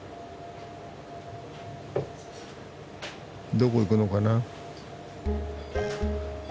どこ行くのかな？